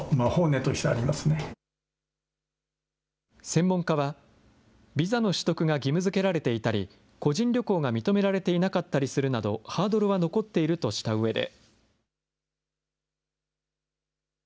専門家は、ビザの取得が義務づけられていたり、個人旅行が認められていなかったりするなどハードルは残っているとしたうえで。